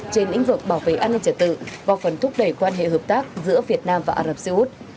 trên lĩnh vực bảo vệ an ninh trật tự và phần thúc đẩy quan hệ hợp tác giữa việt nam và ả rập xê út